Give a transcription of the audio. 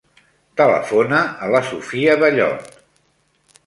Telefona a la Sophia Bellot.